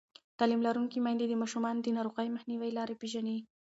تعلیم لرونکې میندې د ماشومانو د ناروغۍ مخنیوي لارې پېژني.